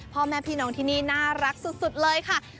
พ่อแม่พี่น้องที่นี่น่ารักสุดเลยค่ะ